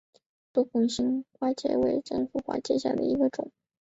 多孔新正花介为荆花介科新正花介属下的一个种。